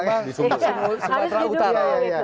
harus di dunia